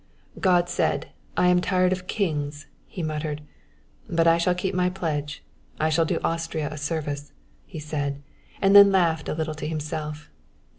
"God said, 'I am tired of kings,'" he muttered. "But I shall keep my pledge; I shall do Austria a service," he said; and then laughed a little to himself.